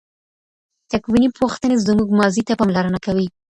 تکویني پوښتنې زموږ ماضي ته پاملرنه کوي.